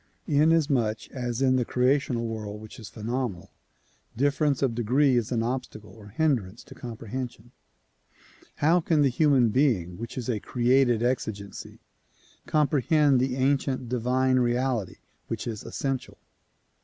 Inasmuch as in the creational world which is phenomenal, difference of degree is an obstacle or hindrance to comprehension, how can the human being which is a created exigency comprehend the ancient divine reality which is essential